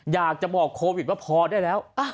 อยากจะบอกโควิดว่าพอได้แล้ว